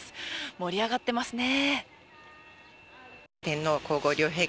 盛り上がってますね。